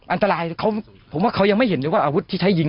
อันตรายผมว่าเขายังไม่เห็นเลยว่าอาวุธที่ใช้ยิง